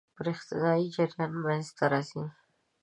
برېښنايي جریان منځ ته راځي.